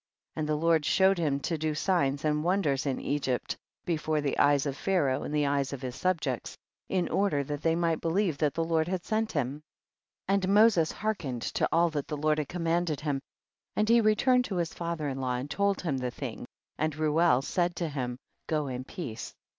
6. And the Lord showed him to do signs and wonders in Egypt be fore the eyes of Pharaoh and the eyes * Israel was called God's inheritance. THE BOOK OF JASHER. 235 of his subjects, in order that ihey might beheve that the Lord had sent him. 7. And Moses hearkened to all that the Lord had commanded him. and he returned to his fathcr in hiw and told him the thing, and Reuel said to him, go in peace.